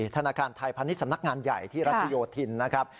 ธนาคารไทยพาณิชยสำนักงานใหญ่ที่รัชโยธินนะครับ